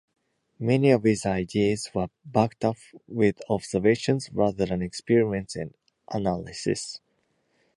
Many of his ideas were backed up with observations rather than experiments and analysis.